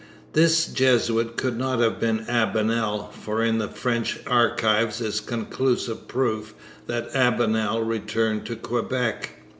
This Jesuit could not have been Albanel, for in the French archives is conclusive proof that Albanel returned to Quebec.